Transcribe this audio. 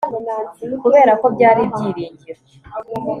kubera ko byari ibyiringiro